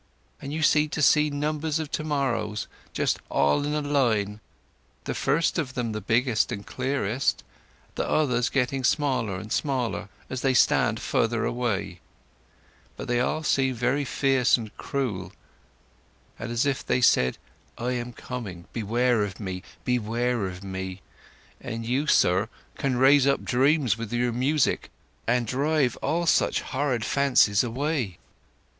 And you seem to see numbers of to morrows just all in a line, the first of them the biggest and clearest, the others getting smaller and smaller as they stand farther away; but they all seem very fierce and cruel and as if they said, 'I'm coming! Beware of me! Beware of me!' ... But you, sir, can raise up dreams with your music, and drive all such horrid fancies away!"